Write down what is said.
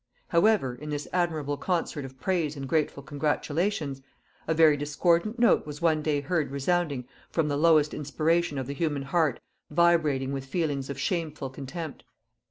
However, in this admirable concert of praise and grateful congratulations, a very discordant note was one day heard resounding from the lowest inspiration of the human heart vibrating with feelings of shameful contempt.